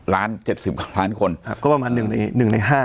ล้านเจ็ดสิบกว่าล้านคนครับก็ประมาณหนึ่งหนึ่งหนึ่งในห้า